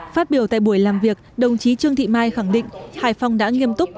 phát biểu tại buổi làm việc đồng chí trương thị mai khẳng định hải phòng đã nghiêm túc